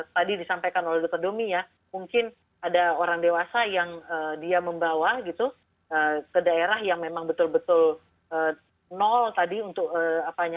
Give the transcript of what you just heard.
tadi disampaikan oleh dr domi ya mungkin ada orang dewasa yang dia membawa gitu ke daerah yang memang betul betul nol tadi untuk apanya